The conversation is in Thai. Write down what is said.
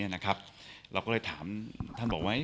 นะฮะอ่ะ